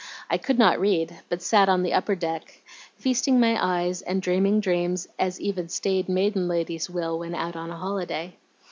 I could not read, but sat on the upper deck, feasting my eyes and dreaming dreams as even staid maiden ladies will when out on a holiday.